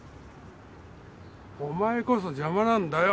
お前こそ邪魔なんだよ。